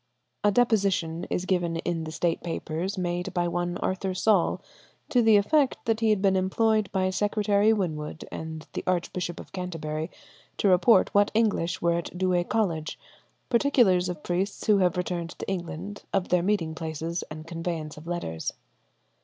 A deposition is given in the State Papers made by one Arthur Saul, to the effect that he had been employed by Secretary Winwood and the Archbishop of Canterbury to report what English were at Douay College, particulars of priests who have returned to England, of their meeting places and conveyance of letters.